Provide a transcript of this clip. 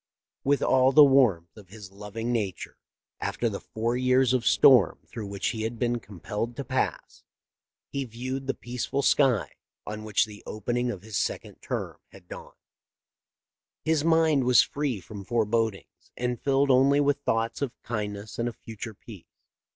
With all the warmth of his loving nature, after the four years of storm through which he had been com pelled to pass, he viewed the peaceful sky on which the opening of his second term had dawned. His mind was free from forebodings and filled only with thoughts of kindness and of future peace."